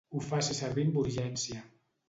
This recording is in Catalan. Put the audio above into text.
Ho faci servir amb urgència.